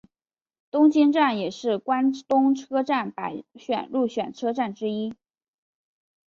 东京站也是关东车站百选入选站之一。